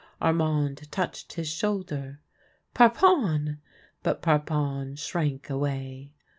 Armand touched his shoulder. " Parpon !" But Parpon shrank away.